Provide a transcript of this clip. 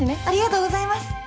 ありがとうございます。